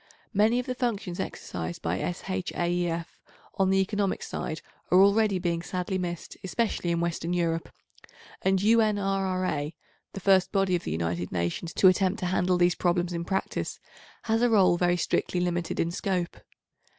Many of the functions exercised by S.H.A.E.F. on the economic side are already being sadly missed, especially in Western Europe, and U.N.R.R.A., the first body of the United Nations to attempt to handle these problems in practice, has a role very strictly limited in scope.